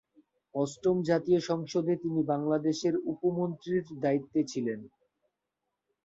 অষ্টম জাতীয় সংসদে তিনি বাংলাদেশের উপ মন্ত্রীর দায়িত্বে ছিলেন।